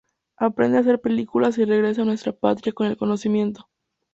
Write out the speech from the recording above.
Aprende a hacer películas y regresa a nuestra patria con el conocimiento.